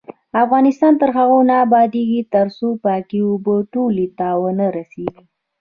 افغانستان تر هغو نه ابادیږي، ترڅو پاکې اوبه ټولو ته ونه رسیږي.